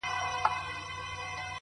د خور او مور له ګریوانونو سره لوبي کوي،